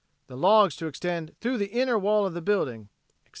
the logs to extend through the inner wall of the building" etc.